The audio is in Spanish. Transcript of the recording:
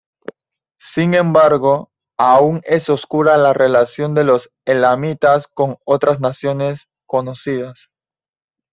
Sin embargo, aun es oscura la relación de los elamitas con otras naciones conocidas.